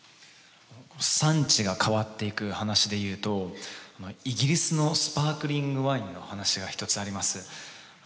産地が変わっていく話でいうとイギリスのスパークリングワインの話が一つあります。